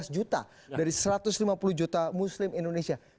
lima belas juta dari satu ratus lima puluh juta muslim indonesia